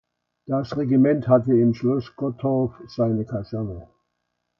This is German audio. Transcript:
Das Regiment hatte im Schloss Gottorf seine Kaserne.